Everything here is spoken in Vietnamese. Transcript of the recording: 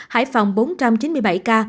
hải phòng bốn trăm chín mươi bảy ca